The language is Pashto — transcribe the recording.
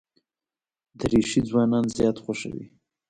دریشي ځوانان زیات خوښوي.